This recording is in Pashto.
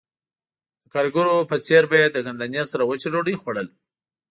د ګاریګرو په څېر به یې د ګندنې سره وچه ډوډۍ خوړه